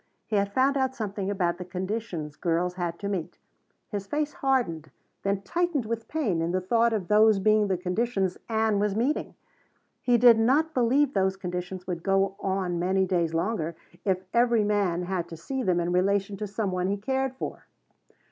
He had found out something about the conditions girls had to meet. His face hardened, then tightened with pain in the thought of those being the conditions Ann was meeting. He did not believe those conditions would go on many days longer if every man had to see them in relation to some one he cared for.